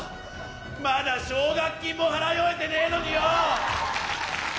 まだ奨学金も払い終えてねえのによ